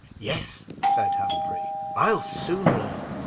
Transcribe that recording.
"Yes," said Humphrey, "I'll soon learn."